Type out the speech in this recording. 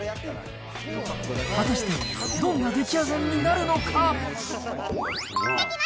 果たしてどんな出来上がりになるのか。